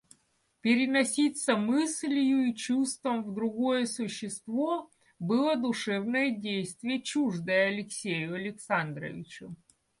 Переноситься мыслью и чувством в другое существо было душевное действие, чуждое Алексею Александровичу.